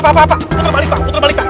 puter balik pak puter balik pak